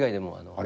あれ？